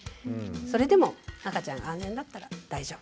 それでも赤ちゃんが安全だったら大丈夫。